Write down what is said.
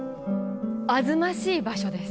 あずましい場所です。